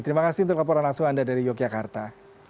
terima kasih untuk laporan langsung anda dari yogyakarta